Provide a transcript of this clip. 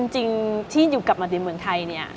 จริงที่อยู่กลับมาในเมืองไทยเนี่ย